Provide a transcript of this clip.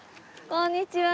こんにちは。